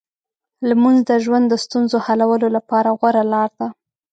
لمونځ د ژوند د ستونزو حلولو لپاره غوره لار ده.